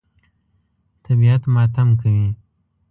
طبیعت ماتم کوي.